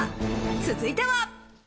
続いては。